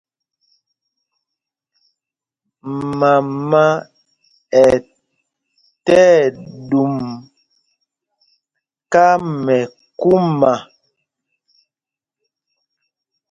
Mama ɛ tí ɛɗum kámɛkúma.